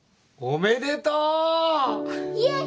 おめでとう。